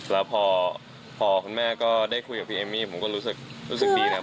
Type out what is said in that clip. แล้วพอคุณแม่ก็ได้คุยกับพี่เอมมี่ผมก็รู้สึกดีนะ